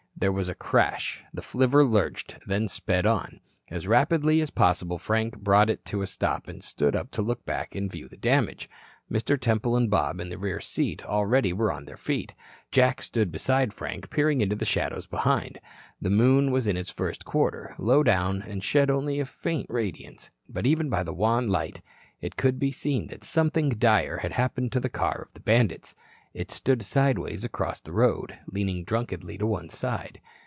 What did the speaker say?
There was a crash, the flivver lurched, then sped on. As rapidly as possible Frank brought it to a stop and then stood up to look back and view the damage. Mr. Temple and Bob, in the rear seat, already were on their feet. Jack stood beside Frank, peering into the shadows behind. The moon was in its first quarter, low down and shed only a faint radiance. But even by the wan light, it could be seen that something dire had happened to the car of the bandits. It stood sideways across the road, leaning drunkenly to one side.